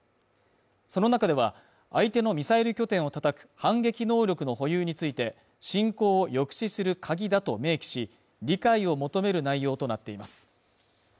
その中では相手のミサイル拠点をたたく反撃能力の保有について侵攻を抑止するカギだと明記し理解を求める内容となっています